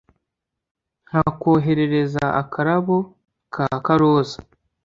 Nkakoherereza akarabo kaka roza